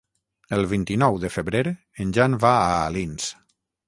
El vint-i-nou de febrer en Jan va a Alins.